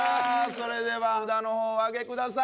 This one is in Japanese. それでは札のほうおあげください